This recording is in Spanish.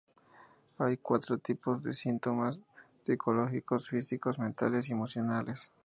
Hay cuatro tipos de síntomas: psicológicos, físicos, mentales y emocionales.